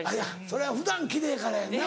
それは普段奇麗やからやんな。